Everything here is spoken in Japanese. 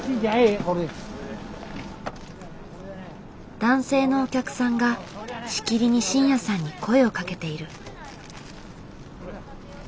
男性のお客さんがしきりに慎也さんに声をかけている。